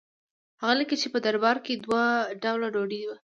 هغه لیکي چې په دربار کې دوه ډوله ډوډۍ وه.